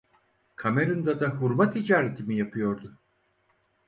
Kamerun'da da hurma ticareti mi yapıyordu?